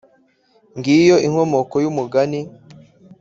ngiyo inkomoko y'umugani